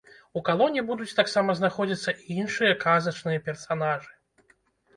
У калоне будуць таксама знаходзіцца і іншыя казачныя персанажы.